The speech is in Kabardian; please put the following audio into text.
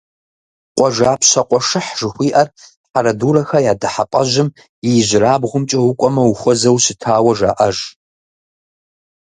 «Къуажапщэ къуэшыхь» жыхуиӀэр «Хьэрэдурэхэ я дыхьэпӀэжьым» и ижьырабгъумкӀэ укӀуэмэ, ухуэзэу щытауэ жаӀэж.